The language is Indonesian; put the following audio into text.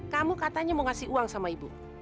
kamu katanya mau ngasih uang sama ibu